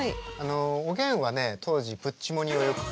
おげんはね当時プッチモニをよく聴いて。